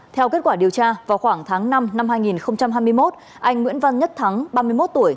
theo kết quả điều tra vào khoảng tháng năm năm hai nghìn hai mươi một anh nguyễn văn nhất thắng ba mươi một tuổi